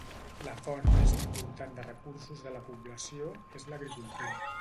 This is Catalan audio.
La font més important de recursos de la població és l'agricultura.